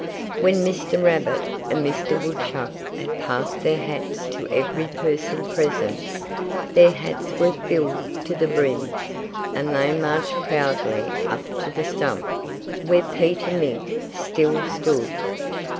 When Mr. Rabbit and Mr. Woodchuck had passed their hats to every person present, their hats were filled to the brim. And they marched proudly up to the stump where Peter Mink still stood.